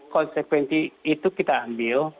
konsekuensi itu kita ambil